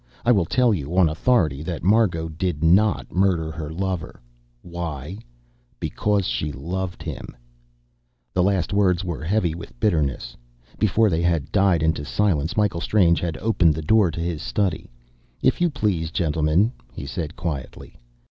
I will tell you, on authority, that Margot did not murder her lover. Why? Because she loved him!" The last words were heavy with bitterness. Before they had died into silence, Michael Strange had opened the door of his study. "If you please, gentlemen," he said quietly.